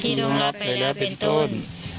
ที่ร่วงรับไถแล้วเป็นต้น